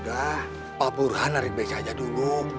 udah pak buruhan tarik beca aja dulu